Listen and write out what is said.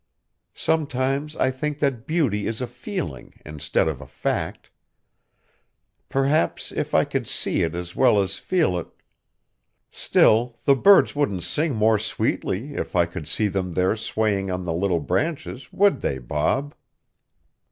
Sometimes I think that beauty is a feeling, instead of a fact. Perhaps if I could see it as well as feel it still, the birds wouldn't sing more sweetly if I could see them there swaying on the little branches, would they, Bob?"